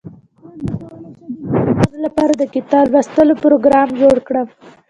څنګه کولی شم د ماشومانو لپاره د کتاب لوستلو پروګرام جوړ کړم